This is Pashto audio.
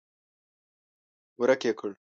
ورک يې کړه!